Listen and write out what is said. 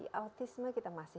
dan satu satunya alasan